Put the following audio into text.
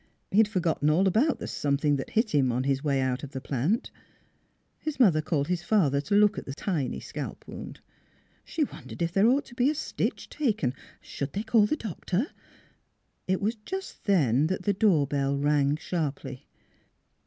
He had forgotten all about the something that hit him on his way out of the plant. His mother called his father to look at the tiny scalp wound. She wondered if there ought to be a stitch taken, and should they call the doctor? It was just then that the door bell rang sharply.